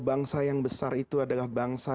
bangsa yang besar itu adalah bangsa